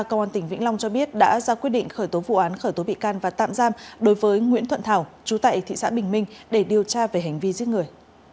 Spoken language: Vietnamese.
công an tỉnh vĩnh long cho biết đã ra quyết định khởi tố vụ án khởi tố bị can và tạm giam đối với nguyễn thuận thảo chú tại thị xã bình minh để điều tra về hành vi giết người